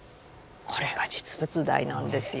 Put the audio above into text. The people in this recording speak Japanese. これが実物大なんですよ。